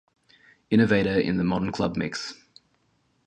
Innovator in the modern club mix.